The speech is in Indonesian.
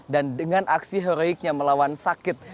dan dengan aksi heroiknya melawan sakit